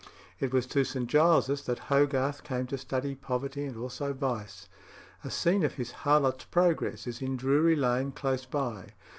It was to St. Giles's that Hogarth came to study poverty and also vice. A scene of his "Harlot's Progress" is in Drury Lane, close by.